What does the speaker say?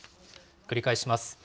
繰り返します。